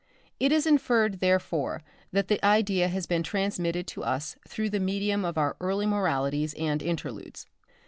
It is inferred therefore that the idea has been transmitted to us through the medium of our early moralities and interludes.